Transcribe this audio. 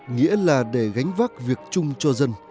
nghĩa là để gánh vác việc chung cho dân